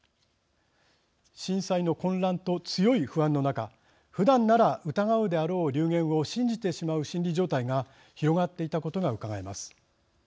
震災の混乱と強い不安の中ふだんなら疑うであろう流言を信じてしまう心理状態が広がっていたことがうかがえます。